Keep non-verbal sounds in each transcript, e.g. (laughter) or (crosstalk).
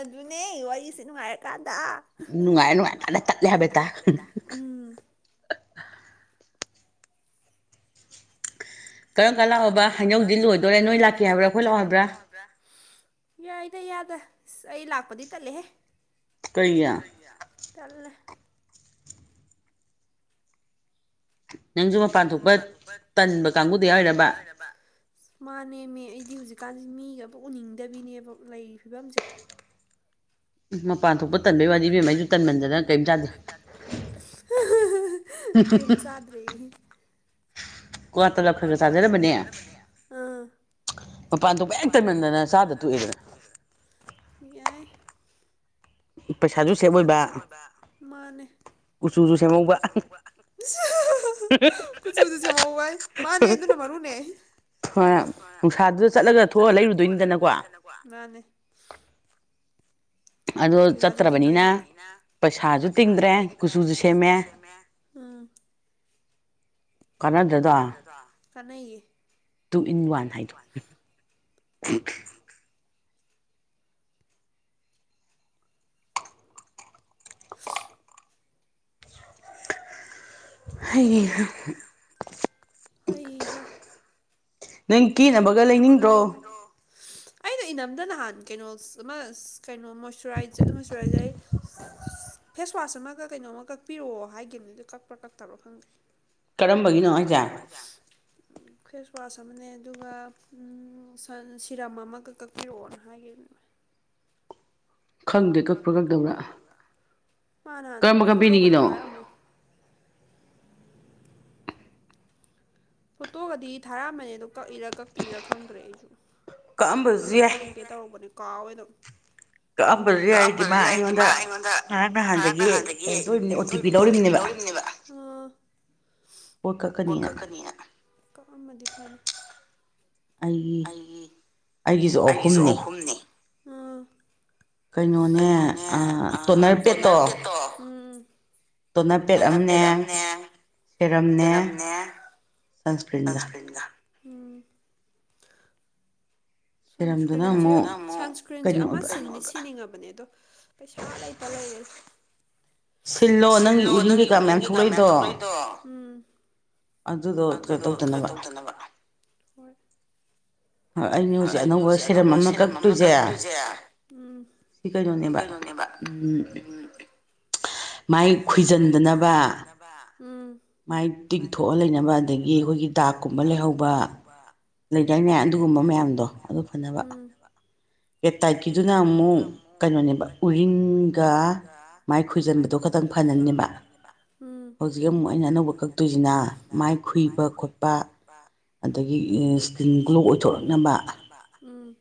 ꯑꯗꯨꯅꯦ ꯋꯥꯔꯤꯁꯦ ꯅꯨꯡꯉꯥꯏꯔꯀꯥꯟꯗ ꯅꯨꯡꯉꯥꯏ ꯅꯨꯡꯉꯥꯏ ꯇꯥꯟꯅ ꯇꯠꯂꯦ ꯍꯥꯏꯕꯦꯠꯇ ꯎꯝ ꯀꯔꯝ ꯀꯥꯟ ꯂꯥꯛꯑꯣꯕ ꯍꯩꯅꯧꯗꯤ ꯂꯣꯏꯗꯣꯔꯦ ꯅꯣꯏ ꯂꯥꯛꯀꯦ ꯍꯥꯏꯕ꯭ꯔꯥ ꯑꯈꯣꯏ ꯂꯥꯛꯑꯣ ꯍꯥꯏꯕ꯭ꯔꯥ ꯌꯥꯏꯗ ꯏꯌꯥꯗ ꯑꯁ ꯑꯩ ꯂꯥꯛꯄꯗꯤ ꯇꯟꯂꯦꯍꯦ ꯀꯔꯤꯒꯤ ꯇꯜꯂꯦ ꯅꯪꯁꯨ ꯃꯄꯥꯟ ꯊꯣꯛꯄ ꯇꯟꯕ ꯀꯥꯡꯕꯨꯗ ꯌꯥꯎꯔꯤꯔꯕ ꯑꯁ ꯃꯥꯅꯦꯃꯦ ꯑꯩꯗꯤ ꯍꯧꯖꯤꯛꯀꯥꯟꯁꯤ ꯃꯤꯒ ꯑꯃꯇ ꯎꯅꯤꯡꯗꯕꯤꯅꯦꯕ ꯂꯩꯔꯤ ꯐꯤꯕꯝꯁꯦ (unintelligible) ꯃꯄꯥꯟ ꯊꯣꯛꯄ ꯇꯟꯕꯩ ꯋꯥꯗꯤ ꯏꯕꯦꯝꯃ ꯑꯩꯁꯨ ꯇꯟꯃꯟꯗꯅ ꯀꯩꯝ ꯆꯥꯗꯦ (unintelligible) ꯀꯩꯝ ꯆꯥ ꯑꯩ ꯀ꯭ꯋꯥꯇꯒ ꯈꯔ ꯈꯔ ꯆꯥꯖꯔꯝꯕꯅꯦ ꯃꯄꯥꯟ ꯊꯣꯛꯄ ꯍꯦꯛ ꯇꯟꯃꯟꯗꯅ ꯆꯥꯗ ꯊꯣꯛꯣꯛꯑꯦꯗꯅ ꯌꯥꯏ ꯄꯩꯁꯥꯁꯨ ꯁꯦꯕ ꯑꯣꯏꯕ ꯃꯥꯅꯦ ꯆ ꯀꯨꯆꯨꯁꯨ ꯁꯦꯝꯃ ꯃꯥꯅꯦ ꯑꯗꯨꯅ ꯃꯔꯨꯅꯦ ꯍꯣꯏ ꯅꯨꯡꯁꯥꯗꯨꯗ ꯆꯠꯂꯒ ꯊꯣꯛꯑ ꯂꯩꯔꯨꯗꯣꯏꯅꯤꯗꯅꯀꯣ ꯃꯥꯅꯦ ꯄꯩꯁꯥꯁꯨ ꯇꯤꯡꯣꯏꯕꯅꯤꯅ ꯄꯩꯁꯥꯁꯨ ꯇꯤꯡꯗ꯭ꯔꯦ ꯀꯨꯆꯨꯁꯨ ꯁꯦꯝꯃꯦ ꯀꯥꯟꯅꯗꯗ ꯆꯥꯟꯅꯩꯌꯦ ꯇꯨ ꯏꯟ ꯋꯥꯟ ꯍꯥꯏꯗꯣ ꯍꯥꯏꯡ ꯅꯪ ꯀꯦꯅꯕꯒ ꯂꯩꯅꯤꯡꯗ꯭ꯔꯣ ꯑꯩꯅꯣ ꯏꯅꯝꯗ ꯅꯍꯥꯟ ꯀꯩꯅꯣ ꯑꯃ ꯀꯩꯅꯣ ꯃꯣꯏꯨꯔ ꯃꯣꯏꯨꯔꯥꯏꯩ ꯐꯦꯁꯋꯥꯁ ꯑꯃꯒ ꯀꯩꯅꯣꯝꯃ ꯀꯛꯄꯤꯔꯛꯑꯣ ꯍꯥꯏꯒꯦꯅꯦꯗꯤ ꯀꯛꯄ꯭ꯔꯥ ꯀꯛꯇꯕ꯭ꯔꯣ ꯈꯪꯗꯦ ꯀꯔꯝꯕꯒꯤꯅꯣ ꯍꯥꯏꯖꯦ ꯐꯦꯁ ꯋꯥꯁ ꯑꯃꯅꯦ ꯑꯗꯨꯒ ꯁꯤꯔꯝ ꯑꯃꯒ ꯀꯛꯄꯤꯔꯛꯑꯣꯅ ꯍꯥꯏꯈꯤꯕꯅꯦ ꯃꯥꯅ ꯐꯣꯇꯣ ꯈ ꯐꯔꯝ ꯐꯣꯇꯣꯒꯗꯤ ꯊꯥꯔꯥ ꯃꯅꯦꯗ ꯀꯛꯏꯔꯥ ꯀꯛꯇ꯭ꯔꯤꯔꯥ ꯈꯪꯗ꯭ꯔꯦ ꯑꯩꯁꯨ ꯏꯇ ꯍꯪꯒꯦ ꯇꯧꯕꯅꯦ ꯀꯥꯎꯑꯣ ꯑꯗꯨꯝ ꯀꯛꯑꯝꯕꯗ ꯌꯥꯏꯗꯤꯃ ꯑꯩꯉꯣꯟꯗ ꯅ ꯅꯍꯥꯟꯗꯒꯤ ꯀꯩꯅꯣꯝ ꯇꯧꯝꯅꯤ ꯑꯣ ꯇꯤ ꯄꯤ ꯂꯧꯔꯤꯕꯝꯅꯦꯕ ꯑ ꯄ ꯀꯛꯀꯅꯤꯅ ꯀꯛꯑꯃꯗꯤ ꯐꯅꯤ ꯑꯩꯒꯤ ꯑꯩꯒꯤꯁꯨ ꯑꯍꯨꯝꯅꯤ ꯎꯝ ꯀꯩꯅꯣꯅꯦ ꯇꯣꯅꯔ ꯄ꯭ꯂꯦꯠꯇꯣ ꯎꯝ ꯇꯣꯅꯄꯦꯠ ꯑꯃꯅꯦ ꯁꯦꯔꯝꯅꯦ ꯁꯟꯁꯀ꯭ꯔꯤꯟꯒ ꯎ ꯁꯟꯁꯀ꯭ꯔꯤꯟꯁꯦ ꯁꯟꯁꯀ꯭ꯔꯤꯟꯁꯦ ꯑꯃ ꯁꯤꯅꯤꯡꯉꯕꯅꯦ ꯑꯗꯣ ꯄꯩꯁꯥ ꯂꯩꯇ ꯂꯩꯔꯦ ꯁꯤꯜꯂꯣ ꯅꯪꯒꯤ ꯎꯔꯤꯡ ꯀꯩꯀꯥ ꯃꯌꯥꯝ ꯊꯣꯛꯂꯛꯏꯗꯣ ꯑꯗꯨꯗꯣ ꯀꯩꯅꯣ ꯇꯧꯗꯅꯕ ꯑꯩꯩꯅ ꯍꯧꯖꯤꯛ ꯑꯅꯧꯕ ꯁꯤꯔꯝ ꯑꯃ ꯀꯛꯇꯣꯏꯁꯦ ꯎ ꯁꯤ ꯀꯩꯅꯣꯅꯦꯕ ꯎꯝ ꯃꯥꯏ ꯈꯨꯏꯖꯟꯗꯅꯕ ꯎꯝ ꯃꯥꯏ ꯇꯤꯡꯊꯣꯛꯑ ꯂꯩꯅꯕ ꯑꯗꯒꯤ ꯑꯩꯈꯣꯏꯒꯤ ꯗꯥꯛꯀꯨꯝꯕ ꯂꯩꯍꯧꯕ ꯂꯩꯗꯥꯏꯅꯦ ꯑꯗꯨꯒꯨꯝꯕ ꯃꯌꯥꯝꯗꯣ ꯑꯗꯨ ꯐꯅꯕ ꯄꯦꯞꯇꯥꯏꯠꯀꯤꯗꯨꯅ ꯑꯃꯨꯛ ꯀꯩꯅꯣꯅꯦꯕ ꯎꯔꯤꯡꯒ ꯃꯥꯏ ꯈꯣꯏꯖꯟꯕꯗꯣ ꯇꯪ ꯐꯅꯅꯦꯕ ꯍꯧꯖꯤꯛ ꯑꯃꯨꯛ ꯑꯩꯅ ꯑꯅꯧꯕ ꯀꯛꯇꯣꯏꯁꯤꯅ ꯃꯥꯏ ꯈꯨꯏꯕ ꯈꯣꯠꯄ (unintelligible) ꯑꯗꯒꯤ ꯏꯁꯀꯤꯟ ꯒ꯭ꯂꯣ ꯑꯣꯏꯊꯣꯔꯛꯅꯕ ꯎꯝ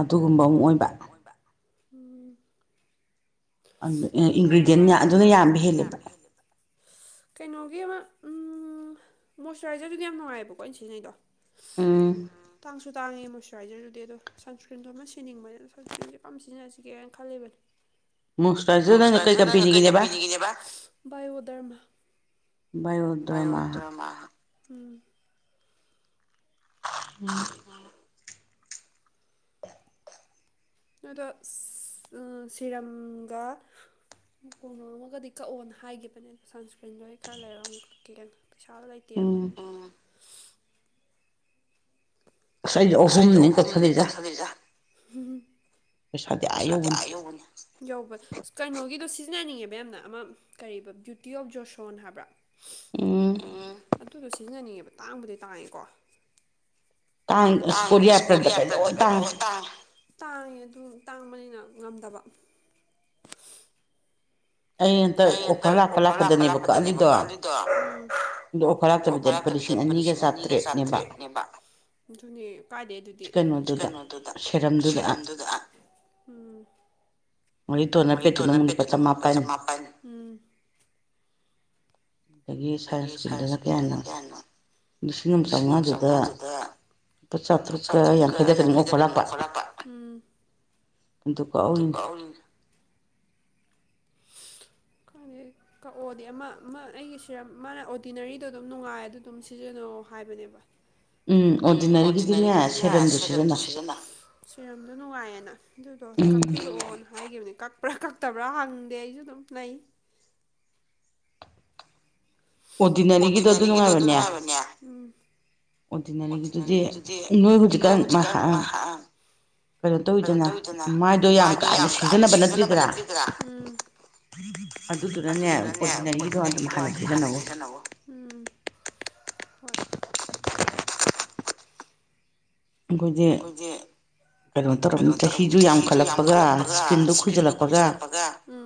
ꯑꯗꯨꯒꯨꯝꯕ ꯑꯃ ꯑꯣꯏꯕ ꯎꯝ ꯏꯟꯒ꯭ꯔꯤꯗꯤꯌꯦꯟ ꯑꯗꯨꯅ ꯌꯥꯝꯕ ꯍꯦꯜꯂꯦꯕ ꯀꯩꯅꯣꯒꯤ ꯑꯃ ꯃꯣꯏꯆꯔꯥꯏꯖꯔꯗꯨꯗꯤ ꯌꯥꯝ ꯅꯨꯡꯉꯥꯏꯑꯕꯀꯣ ꯑꯩꯅ ꯁꯤꯖꯤꯟꯅꯩꯗꯣ ꯎꯝ ꯇꯥꯡꯁꯨ ꯇꯥꯡꯉꯦ ꯃꯣꯏꯆꯔꯥꯏꯖꯔꯗꯨꯗꯤ ꯑꯗꯨ ꯁꯟ꯭ꯀ꯭ꯔꯤꯟꯗꯣ ꯑꯃ ꯁꯤꯟꯅꯤꯡꯕꯅꯤꯅ ꯁꯟ꯭ꯀ꯭ꯔꯤꯟꯁꯦ ꯀꯝ ꯁꯤꯟꯅꯁꯤꯒꯦꯅ ꯈꯜꯂꯤꯕꯅꯦ ꯃꯣꯆꯔꯥꯏꯖꯔ ꯅꯪꯅ ꯀꯩ ꯀꯝꯄꯦꯅꯤꯒꯤꯅꯦꯕ ꯕꯥꯌꯣꯙꯔꯃ ꯕꯥꯌꯣꯙꯔꯃ ꯎ ꯎꯝ ꯑ (inaudible) ꯑꯗꯨꯗꯣ ꯁꯤꯔꯝꯒ ꯀꯣꯅꯣꯝꯃꯒꯗꯤ ꯀꯛꯑꯣꯅ ꯍꯥꯏꯈꯤꯕꯅꯦ ꯁꯟꯁ꯭ꯀ꯭ꯔꯤꯟꯗꯣ ꯑꯩ ꯈꯔ ꯂꯩꯔꯛꯅꯤ ꯀꯛꯀꯦꯅ ꯄꯩꯁꯥ ꯂꯩꯇꯦꯕ ꯑꯁ ꯑꯩꯖꯨ ꯑꯍꯨꯝꯅꯤ ꯀꯠꯊꯂꯤꯖ ꯄꯩꯁꯥꯗꯤ ꯑꯌꯧꯕꯅꯤ ꯌꯧꯕ ꯀꯩꯅꯣꯒꯤꯗꯣ ꯁꯤꯖꯤꯟꯅꯅꯤꯡꯉꯦꯕ ꯌꯥꯝꯅ ꯑꯃ ꯀꯔꯤꯕ ꯕ꯭ꯌꯨꯇꯤ ꯑꯣꯐ ꯖꯣꯁꯣꯟ ꯍꯥꯏꯕ꯭ꯔꯥ ꯎꯝ ꯑꯗꯨꯗꯣ ꯁꯤꯖꯤꯟꯅꯅꯤꯡꯉꯦꯕ ꯇꯥꯡꯕꯗꯤ ꯇꯥꯡꯉꯦꯀꯣ ꯥꯇꯥꯡꯉꯦ ꯑꯁ ꯀꯣꯔꯤꯌꯥꯇ꯭ꯔꯗ ꯀꯣ ꯇꯥꯡꯉ ꯇꯥꯡꯉꯦ ꯑꯗꯨ ꯇꯥꯡꯕꯅꯤꯅ ꯉꯝꯗꯕ ꯑꯩ ꯍꯟꯇꯥꯛ ꯑꯣꯐꯔ ꯂꯥꯛꯄ ꯂꯥꯛꯄꯗꯅꯦꯕ ꯀꯥꯛꯍꯜꯂꯤꯗꯣ ꯑꯗꯣ ꯑꯣꯐꯔ ꯄꯥꯞꯇꯕꯤꯗ ꯂꯨꯄꯥ ꯂꯤꯁꯤꯡ ꯑꯅꯤꯒ ꯆꯥꯇ꯭ꯔꯦꯠꯅꯦꯕ ꯑꯗꯨꯅꯦ ꯀꯥꯏꯗꯩ ꯑꯗꯨꯗꯤ ꯀꯩꯅꯣꯗꯨꯗ ꯁꯦꯔꯝꯗꯨꯗ (unintelligible) ꯄꯦꯠꯇꯨꯗ ꯑꯃꯨꯛ ꯂꯨꯄꯥ ꯆꯃꯥꯄꯟ ꯑꯗꯒꯤ ꯁꯥꯟꯁꯀ꯭ꯔꯤꯟꯗꯨꯅ ꯀꯌꯥꯅꯣ ꯂꯤꯁꯤꯡ ꯑꯃ ꯆꯥꯝꯉꯥꯗꯨꯗ ꯂꯨꯄꯥ ꯆꯥꯇ꯭ꯔꯨꯛꯀ ꯌꯥꯡꯈꯩꯗꯔꯒ ꯑꯣꯐꯔ ꯂꯥꯛꯄ ꯑꯗꯨ ꯀꯛꯎꯔꯤꯅ (inaudible) (unintelligible) (inaudible) ꯀꯛꯑꯣꯗꯤ ꯑꯃ ꯑꯩꯒꯤ ꯁꯤꯔꯝ ꯃꯥꯅ ꯑꯣꯔꯗꯤꯅꯔꯤꯗꯣ ꯑꯗꯨꯝ ꯅꯨꯡꯉꯥꯏꯗ ꯑꯗꯨꯝ ꯁꯤꯖꯤꯟꯅꯑꯣ ꯍꯥꯏꯕꯅꯦꯕ ꯎꯝ ꯑꯣꯔꯗꯤꯅꯔꯤꯒꯤꯗꯤꯅꯦ ꯁꯦꯔꯦꯝꯗꯨ ꯁꯤꯖꯤꯟꯅꯧ ꯁꯤꯔꯝꯗꯣ ꯅꯨꯡꯉꯥꯏꯌꯦꯅ ꯑꯗꯨꯗꯣ ꯀꯛꯄꯤꯔꯛꯑꯣꯅ ꯍꯥꯏꯈꯤꯕꯅꯦ ꯀꯛꯄ꯭ꯔꯥ ꯀꯛꯇꯕ꯭ꯔꯥ ꯍ ꯗꯦ ꯑꯩꯖꯨ ꯑꯗꯨꯝ ꯂꯩ ꯑꯣꯗꯤꯅꯔꯤꯒꯤꯗꯣ ꯑꯗꯨ ꯅꯨꯡꯉꯥꯏꯕꯅꯦ ꯑꯣꯗꯤꯅꯔꯤꯗꯤ ꯃꯣꯏ ꯍꯧꯖꯤꯀꯥꯟ ꯃꯍꯥ ꯀꯩꯅꯣ ꯇꯧꯋꯤꯗꯅ ꯃꯥꯏꯗꯣ ꯌꯥꯝ ꯀꯥ ꯍꯦꯟꯅ ꯁꯤꯖꯤꯟꯅꯕ ꯅꯠꯇ꯭ꯔꯤꯗꯔ ꯑꯗꯨꯗꯨꯅꯅꯦ ꯑꯣꯖꯤꯅꯦꯒꯤꯗꯣ ꯑꯗꯨꯝ ꯍꯜꯂꯛꯈꯤꯔꯅꯣ ꯎꯝ ꯍꯣꯏ ꯑꯩꯈꯣꯏꯒꯤ ꯀꯩꯅꯣ ꯇꯧꯔꯝꯃꯤ ꯆꯍꯤꯁꯨ ꯌꯥꯝꯈꯠꯂꯛꯄꯒ ꯏꯁꯀ꯭ꯔꯤꯟꯗꯨ ꯈꯣꯏꯖꯤꯜꯂꯛꯄꯒ ꯎ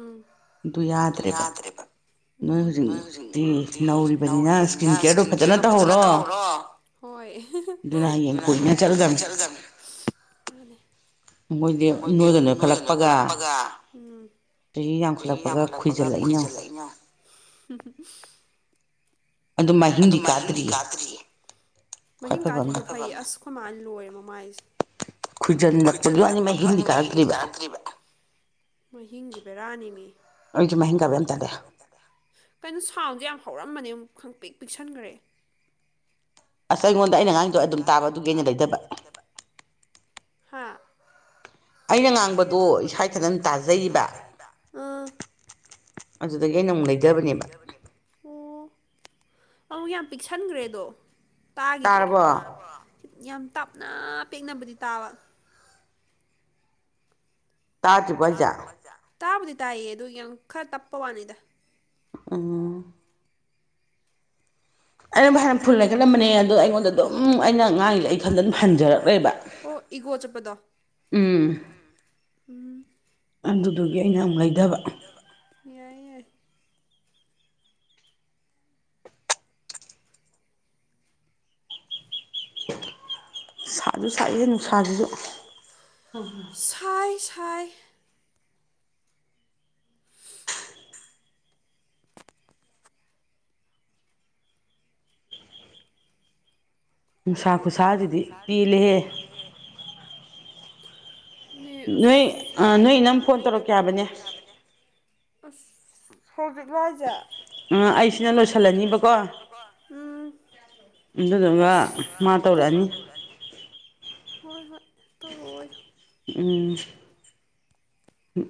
ꯑꯗꯨ ꯌꯥꯗ꯭ꯔꯦꯕ ꯎꯝ ꯅꯣꯏ ꯍꯧꯖꯤꯛꯇꯤ ꯅꯧꯔꯤꯕꯅꯤꯅ ꯏꯁꯀꯤꯟ ꯀꯦꯌꯔꯗꯨ ꯐꯖꯅ ꯇꯧꯍꯧꯔꯣ ꯍꯣꯏ ꯑꯗꯨꯅ ꯍꯌꯦꯡ ꯀꯨꯏꯅ ꯆꯠꯂꯗꯕꯅꯤ ꯃꯥꯅꯤ ꯃꯣꯏꯗꯤ ꯅꯣꯏꯒ ꯅꯣꯏꯈꯠꯂꯛꯄꯒ ꯆꯍꯤ ꯌꯥꯝꯈꯠꯂꯛꯄꯒ ꯈꯣꯏꯖꯜꯂꯛꯏꯅ ꯑꯗꯨ ꯃꯍꯤꯡꯗꯤ ꯀꯥꯗ꯭ꯔꯤꯌꯦ ꯃꯍꯤꯡ ꯀꯥꯗꯔꯤꯗ ꯐꯩ ꯑꯁ ꯑꯩꯈꯣꯏ ꯃꯥꯜ ꯂꯣꯏꯔꯦ ꯃ ꯃꯥꯏꯁꯦ ꯈꯨꯏꯖꯤꯜ ꯅꯛꯄꯒꯤ ꯋꯥꯅꯤ ꯃꯥ ꯍꯤꯡꯂꯤ ꯀꯥꯔꯗ꯭ꯔꯤꯕ ꯃꯍꯤꯡꯁꯦ ꯕꯦꯔꯥꯅꯤꯅꯤ ꯑꯩꯁꯨ ꯃꯦꯒꯥꯕꯟꯗꯦ ꯀꯩꯅꯣ ꯁꯥꯎꯟꯁꯦ ꯌꯥꯝ ꯍꯧꯔꯝꯕꯅꯦ ꯑꯃꯨꯛ ꯈꯪ ꯄꯤꯛ ꯄꯤꯛꯁꯟꯈ꯭ꯔꯦ ꯑꯁ ꯑꯩꯉꯣꯟꯗ ꯑꯩꯅ ꯉꯥꯡꯗꯣꯛ ꯑꯗꯨꯝ ꯇꯥꯕ ꯑꯗꯨꯒꯤꯅ ꯂꯩꯇꯕ ꯍꯥꯥ ꯑꯩꯅ ꯉꯥꯡꯕꯗꯣ ꯁ꯭ꯋꯥꯏꯗꯪ ꯇꯥꯖꯔꯤꯕ ꯑꯗꯨꯗꯒꯤ ꯑꯩꯅ ꯑꯃꯨꯛ ꯂꯩꯗꯕꯅꯦꯕ ꯑꯣ ꯑꯃ ꯌꯥꯝ ꯄꯤꯛꯁꯟꯈ꯭ꯔꯦꯗꯣ ꯇꯥꯈꯤꯗ꯭ꯔꯦ ꯌꯥꯝ ꯇꯞꯅ ꯄꯦꯛꯅꯕꯗꯤ ꯇꯥꯕ ꯇꯥꯕꯨꯗꯤ ꯇꯥꯏꯌꯦ ꯑꯗꯨ ꯌꯥꯝ ꯈꯔ ꯇꯞꯄ ꯋꯥꯅꯤꯗ ꯎꯝ ꯑꯩꯅꯕꯨ ꯍꯅ ꯐꯨꯜ ꯂꯩꯈꯠꯂꯝꯕꯅꯦ ꯑꯗꯣ ꯑꯩꯉꯣꯟꯗ ꯑꯗꯨꯝ ꯑꯩꯅ ꯉꯥꯡꯒꯤꯗ (unintelligible) ꯑꯗꯨꯝ ꯍꯟꯖꯔꯛꯂꯣꯏꯕ ꯏꯒꯣ ꯆꯄꯗꯣ꯫ ꯎꯝ꯫ ꯎꯝ ꯑꯗꯨꯗꯨꯒꯤ ꯑꯩꯅꯃꯨꯛ ꯂꯩꯗꯕ ꯌꯥꯏ ꯌꯥꯏ꯫ ꯁꯥꯖꯨ ꯁꯥꯏꯌꯦ ꯅꯨꯡꯁꯥꯁꯤꯖꯨ ꯁꯥꯏ ꯁꯥꯏ꯫ ꯅꯨꯡꯁꯥ ꯈꯨꯁꯥꯁꯤꯗꯤ ꯄꯦꯜꯂꯤꯍꯦ꯫ ꯑꯁ (unintelligible) ꯅ (unintelligible) ꯅꯣꯏ ꯏꯅꯝ ꯐꯣꯟ ꯇꯧꯔꯛꯀꯦ ꯍꯥꯏꯕꯅꯦ꯫ ꯑꯁ ꯍꯧꯖꯤꯛꯂꯣ ꯍꯥꯏꯖꯦ꯫ ꯎꯝ ꯑꯩꯁꯤꯅ ꯂꯣꯏꯁꯤꯜꯂꯅꯤꯕꯀꯣ ꯑꯗꯨꯗꯨꯒ ꯃꯥ (unintelligible) ꯃꯥ ꯇꯧꯔꯛꯑꯅꯤ ꯍꯣꯏ ꯍꯣꯏ ꯇꯧꯔꯛꯑꯣꯌꯨ꯫ ꯎꯝ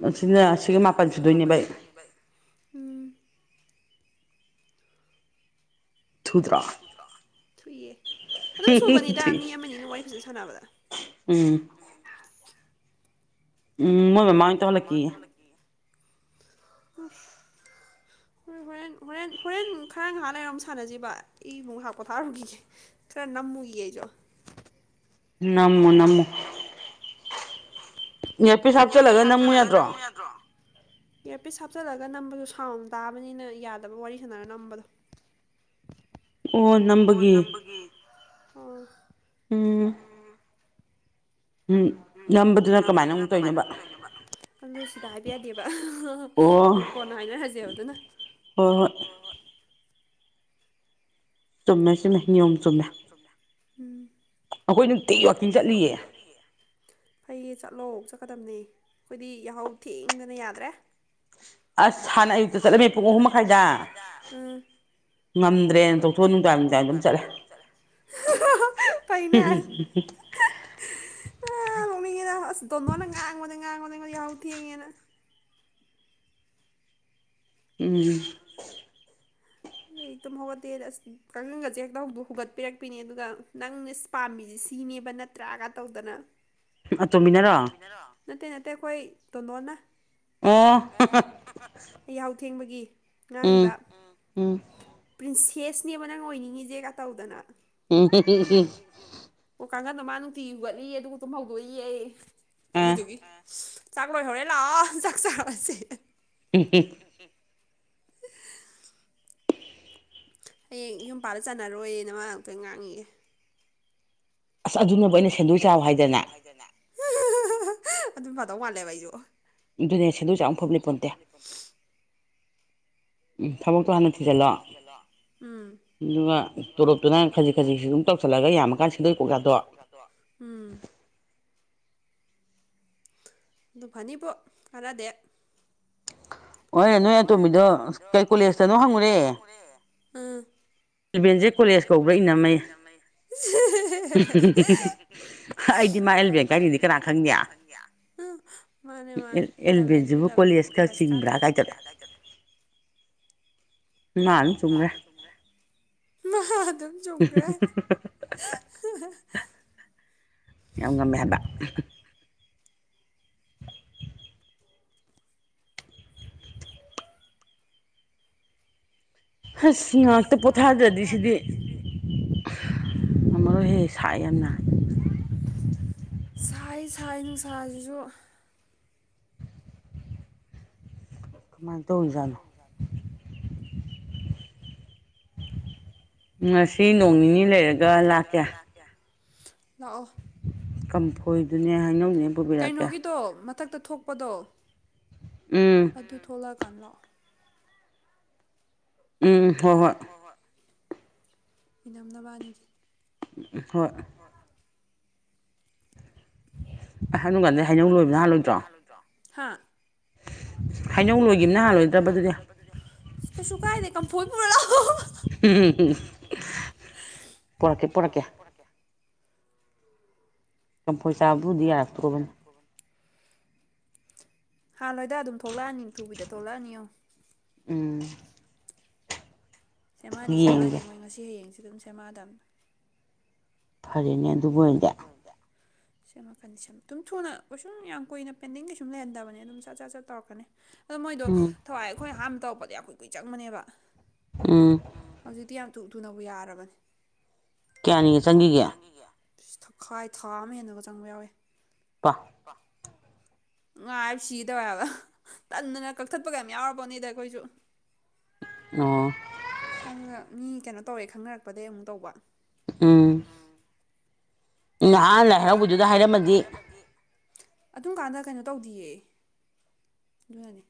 ꯑꯁꯤꯅ ꯁꯤꯒ ꯃꯥꯄꯜ ꯁꯨꯗꯣꯏꯅꯦ ꯑꯩ꯫ ꯎꯝ꯫ ꯊꯨꯗ꯭ꯔꯣ꯫ (inaudible) ꯊꯨꯏꯌꯦ ꯑꯗꯨꯝ ꯁꯨꯕꯅꯤꯗ ꯃꯤ ꯑꯃꯅꯤꯅ ꯋꯥꯔꯤ ꯐꯖꯅ ꯁꯥꯟꯅꯕꯗ꯫ ꯎꯝ꯫ ꯎꯝ ꯃꯣꯏ ꯃꯥꯃꯥ ꯑꯣꯏꯅ ꯇꯧꯍꯜꯂꯛꯀꯦꯌꯦ꯫ ꯎꯁ (unintelligible) (inaudible) ꯍꯣꯏ ꯍꯣꯔꯦꯟ-ꯍꯣꯔꯦꯟ-ꯍꯣꯔꯦꯟ ꯈꯔ ꯉꯥꯏꯍꯥꯛ ꯂꯩꯔꯒ ꯁꯥꯟꯅꯖꯤꯕ ꯑꯩꯃꯨꯡ ꯉꯍꯥꯛ ꯄꯣꯊꯥꯔꯨꯈꯤꯒꯦ꯫ ꯈꯔ ꯅꯝꯃꯨꯈꯤꯒꯦ ꯑꯩꯁꯨ꯫ ꯅꯝꯃꯣ-ꯅꯝꯃꯣ꯫ ꯏꯌꯔꯄꯤꯁ ꯍꯥꯞꯆꯤꯜꯂꯒ ꯅꯝꯃꯨ ꯌꯥꯗ꯭ꯔꯣ? ꯏꯌꯔꯄꯤꯁ ꯍꯥꯞꯆꯜꯂꯒ ꯅꯝꯕꯗꯣ ꯁꯥꯎꯟ ꯇꯥꯕꯅꯤꯅ ꯌꯥꯗꯕ ꯋꯥꯔꯤ ꯁꯥꯟꯅꯔꯒ ꯅꯝꯕꯗꯣ꯫ ꯑꯣ ꯅꯝꯕꯒꯤ꯫ ꯎꯝ꯫ ꯎꯝ꯫ ꯅꯝꯕꯗ ꯅꯝꯕꯗꯨꯅ ꯀꯃꯥꯏꯅ ꯑꯃꯨꯛ ꯇꯧꯔꯤꯅꯣꯕ ꯑꯗꯣ ꯁꯤꯗ ꯍꯥꯏꯕ ꯌꯥꯗꯦꯕ ꯍꯣꯏ ꯀꯣꯟꯅ ꯍꯥꯏꯅꯔꯁꯦꯕ ꯑꯗꯨꯅ ꯍꯣꯏ ꯍꯣꯏ ꯆꯨꯝꯃꯦ-ꯆꯨꯝꯃꯦ ꯅꯤꯌꯣꯝ ꯆꯨꯝꯃꯦ ꯑꯩꯈꯣꯏ ꯅꯨꯡꯇꯤꯒꯤ ꯋꯥꯀꯤꯟ ꯆꯠꯂꯤꯌꯦ ꯐꯩꯌꯦ ꯆꯠꯂꯣ ꯆꯠꯀꯗꯕꯅꯦ ꯑꯩꯈꯣꯏꯗꯤ ꯌꯥꯍꯧ ꯊꯦꯡꯗꯅ ꯌꯥꯗ꯭ꯔꯦ ꯑꯁ ꯍꯥꯟꯅ ꯑꯌꯨꯛꯇ ꯆꯠꯂꯝꯃꯦ ꯄꯨꯡ ꯑꯍꯨꯝ ꯃꯈꯥꯏꯗ ꯉꯝꯗ꯭ꯔꯦꯅ ꯇꯣꯛꯊꯣꯛꯑ ꯅꯨꯡꯗꯥꯡ ꯅꯨꯡꯗꯥꯡ-ꯅꯨꯡꯗꯥꯡ ꯑꯗꯨꯝ ꯆꯠꯂꯦ ꯎꯝ ꯐꯩꯅꯦ ꯇꯣꯟꯗꯣꯟꯅ ꯉꯥꯡꯕꯗ-ꯉꯥꯡꯕꯗ ꯑꯩꯉꯣꯟꯗ ꯌꯥꯍꯧ ꯊꯦꯡꯉꯦꯅ ꯎꯝ ꯑꯩ ꯇꯨꯝ ꯍꯧꯒꯠꯇꯦ ꯑꯁ ꯀꯪꯒꯜꯒꯁꯦ ꯍꯦꯛꯇ ꯍꯨꯒꯠꯄꯤꯔꯛꯄꯤꯅꯦ ꯑꯗꯨꯒ ꯅꯪ ꯏꯁ ꯄꯥꯝꯃꯤꯖꯦ ꯁꯤꯅꯦꯕ ꯅꯠꯇ꯭ꯔꯒ ꯇꯧꯗꯅ ꯑꯇꯣꯝꯕꯤꯅꯔꯣ ꯅꯠꯇꯦ ꯅꯠꯇꯦ ꯑꯩꯈꯣꯏ ꯇꯣꯟꯗꯣꯟꯅ ꯑꯣ ꯑꯣ ꯑꯩ ꯌꯥꯍꯧ ꯊꯦꯡꯕꯒꯤ ꯉꯥꯡꯉꯤꯕ ꯄ꯭ꯔꯤꯟꯁꯦꯁꯅꯦꯕ ꯅꯪ ꯑꯣꯏꯅꯤꯡꯉꯤꯖꯦ ꯀꯥ ꯇꯧꯗꯅ ꯑꯣ ꯀꯥꯡꯒꯟꯗꯣ ꯃꯥ ꯅꯨꯡꯇꯤꯒꯤ ꯍꯨꯒꯠꯂꯤꯌꯦ ꯑꯗꯨꯒ ꯇꯨꯝ ꯍꯧꯗꯣꯛ ꯏꯌꯦ ꯑꯩ ꯑꯗꯨꯗꯨꯒꯤ ꯆꯥꯛ ꯂꯣꯏꯍꯧꯔꯦ ꯂꯥꯛꯑꯣ ꯆꯥꯛ ꯆꯥꯔꯨꯖꯤ (unintelligible) (unintelligible) (unintelligible) ꯍꯌꯦꯡ ꯌꯨꯝ ꯄꯥꯜꯂ ꯆꯥꯟꯅꯔꯣꯏꯌꯦꯅ ꯃꯥ ꯉꯛꯇ ꯉꯥꯡꯉꯤꯌꯦ ꯑꯁ ꯑꯗꯨꯅꯕꯨ ꯑꯩꯅ ꯁꯦꯟꯗꯣꯏ ꯆꯥꯎ ꯍꯥꯏꯗꯅ (unintelligible) ꯑꯗꯨꯅ ꯐꯥꯗꯧ ꯃꯥꯜꯂꯦꯕ ꯑꯩꯖꯨ ꯑꯗꯨꯅꯦ ꯁꯦꯟꯗꯣꯏ ꯆꯥꯃꯨꯛ ꯐꯕ ꯂꯩꯄꯣꯟꯇꯦ ꯎꯝ ꯊꯕꯛꯇꯣ ꯍꯥꯟ ꯊꯕꯛꯇꯣ ꯍꯥꯟꯅ ꯊꯨꯖꯜꯂꯣꯑꯣ ꯎꯝ ꯑꯗꯨꯒ ꯇꯣꯂꯣꯞꯇꯨꯅ ꯈꯖꯤꯛ ꯈꯖꯤꯛꯁꯤ ꯑꯗꯨꯝ ꯇꯧꯁꯤꯜꯂꯒ ꯌꯥꯝꯃ ꯀꯥꯟꯗ ꯁꯤꯗꯣꯏ ꯀꯣꯛ ꯆꯥꯊꯣꯛ ꯎꯝ ꯑꯗꯨ ꯐꯅꯤꯕꯣ ꯀꯥꯟꯅꯗꯦ ꯍꯣꯏꯔꯦꯟ ꯅꯣꯏ ꯑꯇꯣꯝꯕꯤꯗꯣ ꯀꯩ ꯀꯣꯂꯦꯖꯇꯅꯣ ꯍꯪꯉꯨꯔꯦ ꯎꯥ ꯏꯚꯦꯟꯁꯦ ꯀꯣꯂꯦꯖ ꯀꯧꯕꯔꯥ ꯏꯩꯅꯝꯃꯩ ꯑꯩꯗꯤ ꯃꯥ ꯏꯂꯤꯚꯦꯟ ꯀꯥꯏꯅꯤꯗꯤ ꯀꯅꯥ ꯈꯪꯅꯤ ꯃꯥꯅꯦ ꯃꯥꯅꯦ ꯑꯦꯜꯚꯦꯟꯖꯤꯕꯨ ꯀꯣꯂꯦꯖꯀꯥ ꯆꯤꯡꯕ꯭ꯔꯥ ꯀꯥꯏꯗ (unintelligible) ꯃꯥ ꯑꯗꯨꯝ ꯆꯨꯝꯒ꯭ꯔꯦ ꯃꯥ ꯑꯗꯨꯝ ꯆꯨꯝꯒ꯭ꯔꯦ (unintelligible) ꯌꯥꯝ ꯉꯝꯃꯦ ꯍꯥꯏꯕ ꯍꯁ ꯉꯥꯛꯇ ꯄꯣꯊꯥꯗ꯭ꯔꯗꯤ ꯁꯤꯗꯤ ꯉꯝꯃꯔꯣꯏꯍꯦ ꯁꯥꯏ ꯌꯥꯝꯅ ꯁꯥꯏ ꯁꯥꯏ ꯅꯨꯡꯁꯥꯖꯤꯁꯨ ꯀꯃꯥꯏꯟ ꯇꯧꯔꯤꯖꯥꯅꯣ ꯉꯁꯤ ꯅꯣꯡ ꯅꯤꯅꯤ ꯂꯩꯔꯒ ꯂꯥꯛꯀꯦ ꯂꯥꯛꯑꯣ ꯀꯩꯅꯣꯒꯤ ꯑꯗꯣ ꯃꯊꯪꯛꯇ ꯊꯣꯛꯄꯗꯣ ꯎꯝ ꯑꯗꯨ ꯊꯣꯛꯂꯛꯑꯀꯥꯟ ꯂꯥꯛꯑꯣ ꯎꯝ ꯍꯣꯏ ꯍꯣꯏ ꯏꯅꯝ ꯅꯕꯥꯅꯤꯒꯤ ꯍꯣꯏ ꯍ ꯅꯨꯡꯀꯥꯟꯗ ꯍꯩꯅ ꯂꯣꯏ ꯅꯍꯥꯟꯂꯣꯏꯗ꯭ꯔꯣ ꯍꯥꯥ ꯍꯥꯏꯅꯧ ꯂꯣꯏꯈꯤꯕ ꯅꯍꯥꯟꯣꯏ ꯀꯩꯁꯨ ꯀꯥꯏꯗꯦ ꯀꯝꯐꯣꯏꯕꯨ ꯂꯥꯛꯑꯣ ꯎꯝꯝ ꯄꯣꯔꯛꯀꯦ ꯄꯣꯔꯛꯀꯦ ꯆꯝꯐꯣꯏ ꯆꯥꯕꯗꯨꯕꯨꯗꯤ ꯌꯥꯔꯛꯇ꯭ꯔꯣꯕꯅꯤ ꯍꯥꯟ ꯍꯣꯏꯗ ꯑꯗꯨꯝ ꯊꯣꯛꯂꯛꯑꯅꯤ ꯊꯨꯕꯤꯗ ꯊꯣꯛꯂꯛꯑꯅꯤꯣ ꯎꯝ ꯆꯦꯞ ꯃꯥꯥꯟꯅꯤ ꯆꯦꯞ ꯃꯥꯟꯅꯤ ꯃꯣꯏ ꯉꯁꯤ ꯍꯌꯦꯡꯁꯦ ꯑꯗꯨꯝ ꯁꯦꯝꯃꯥꯟꯕꯅꯦ ꯐꯔꯦꯅꯦ ꯑꯗꯨꯕꯨ ꯑꯣꯏꯅꯗꯤ ꯁꯦꯝꯃꯛꯀꯅꯤ ꯁꯦꯝ ꯑꯗꯨꯝ ꯊꯨꯅ ꯀꯣꯏ ꯁꯨꯝ ꯌꯥꯝ ꯀꯨꯏꯅ ꯄꯦꯟꯗꯤꯡꯗꯤꯩ ꯁꯨꯝ ꯂꯩꯍꯟꯗꯕꯅꯦ ꯑꯗꯨꯝ ꯆꯠ ꯆꯠ ꯆꯞ ꯇꯧꯔꯛꯀꯅꯤ ꯑꯗꯣ ꯃꯣꯏꯗꯣ ꯊꯋꯥꯏ ꯑꯩꯈꯣꯏ ꯍꯥꯝ ꯇꯧꯔꯛꯄꯗ ꯌꯥꯝ ꯀꯨꯏ ꯀꯨꯏ ꯆꯪꯕꯅꯦꯕ ꯎꯝ ꯍꯧꯖꯤꯛꯇꯤ ꯌꯥꯝ ꯇꯨ ꯇꯨꯅꯕꯨ ꯌꯥꯔꯕꯅꯦ ꯀꯌꯥꯅꯤꯒ ꯆꯪꯈꯤꯒꯦ ꯈꯥꯏ ꯊꯥ ꯑꯃ ꯍꯦꯟꯗꯨꯒ ꯆꯪꯕ ꯌꯥꯎꯋꯦ ꯀ ꯉꯥꯏ ꯁꯤꯗꯧꯋꯦꯕ ꯇꯟꯅꯅ ꯀꯛꯊꯠꯄ ꯀꯩ ꯌꯥꯝ ꯌꯥꯎꯔꯕꯅꯤꯗ ꯑꯩꯈꯣꯏꯁꯨ ꯑ ꯪ ꯃꯤ ꯀꯩꯅꯣ ꯇꯧꯋꯦ ꯈꯪꯅꯔꯛꯄꯗꯒꯤꯩ ꯑꯃꯨꯛ ꯇꯧꯕ ꯎꯝ ꯅꯍꯥꯟ ꯂꯥꯏ ꯍꯔꯥꯎꯕꯗꯨꯗ ꯍꯥꯏꯔꯝꯃꯗꯤ ꯑꯗꯨꯝ ꯀꯥꯟꯗ ꯀꯩꯅꯣ ꯇꯧꯗꯤꯌꯦ ꯑꯗꯨꯔꯅꯤ